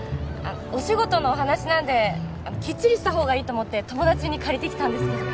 お仕事のお話なんできっちりしたほうがいいと思って友達に借りてきたんですけど